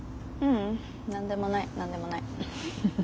ううん。何でもない何でもない。